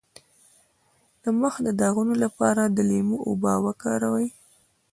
د مخ د داغونو لپاره د لیمو اوبه وکاروئ